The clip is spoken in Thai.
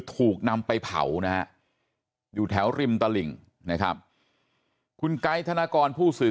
ถูกนำไปเผานะฮะอยู่แถวริมตลิ่งนะครับคุณไกด์ธนกรผู้สื่อ